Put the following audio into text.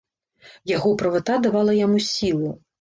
Яго правата давала яму сілу.